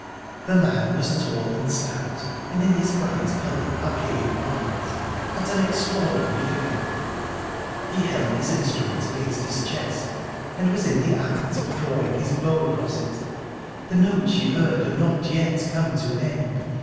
The man was tall and stout, and, in his bright coloured, archaic garments, cut an extraordinary figure. He held his instrument against his chest, and was in the act of drawing his bow across it the note she had heard had not yet come to an end.